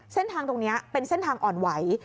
เส้นทางตรงนี้เป็นเส้นทางอ่อนไหว